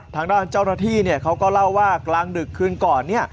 ทางด้านเจ้าหน้าที่เขาก็เล่าว่ากลางดึกคืนก่อน